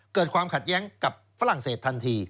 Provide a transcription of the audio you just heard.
เกิดความขัดแย้งกับฝรั่งเศสทันที